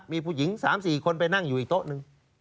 มีผู้หญิง๓๔คนไปนั่งอยู่อีกโต๊ะหนึ่ง